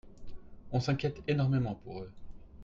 On s'inquiète énormément pour eux.